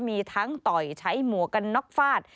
มีทั้งต่อยใช้หมวกกันน็อกฟาด